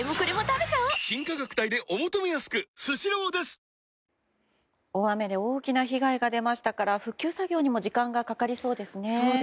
丕劭蓮キャンペーン中大雨で大きな被害が出ましたから復旧作業にも時間がかかりそうですね。